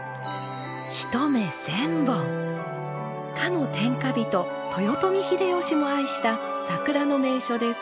かの天下人豊臣秀吉も愛した桜の名所です。